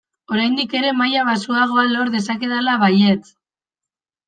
Oraindik ere maila baxuagoa lor dezakedala baietz!